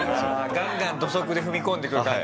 ガンガン土足で踏み込んでくる感じのやつね。